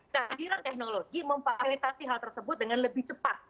kajiran teknologi memperhalitasi hal tersebut dengan lebih cepat